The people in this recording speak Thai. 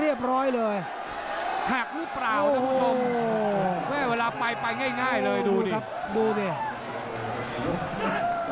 เรียบร้อยเลยหักหรือเปล่าท่านผู้ชม